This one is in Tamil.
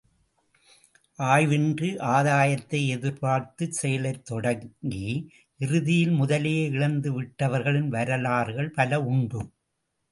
ஆய்வு இன்றி ஆதாயத்தை எதிர்பார்த்துச் செயலைத் தொடங்கி, இறுதியில் முதலையே இழந்துவிட்டவர்களின் வரலாறுகள் பல உண்டு.